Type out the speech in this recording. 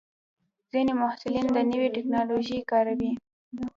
ځینې محصلین د نوې ټکنالوژۍ کاروي.